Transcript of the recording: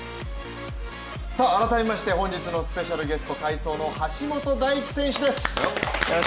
改めまして本日のスペシャルゲスト、体操の橋本大輝選手です。